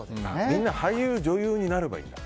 みんな俳優、女優になればいいんだ。